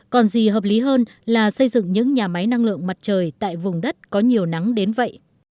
còn gì hợp lý hơn là xây dựng những nhà máy năng lượng mặt trời tại vùng đất có nhiều nắng đến vậy